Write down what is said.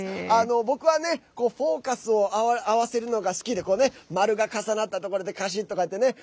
僕はフォーカス合わせるのが好きで丸が重なったところでカシャッ！とかってね。